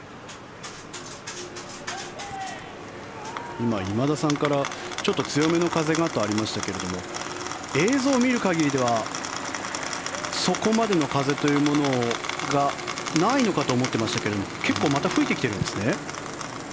今、今田さんから強めの風がとありましたが映像を見る限りではそこまでの風というものがないのかと思ってましたけど結構また吹いてきてるんですね。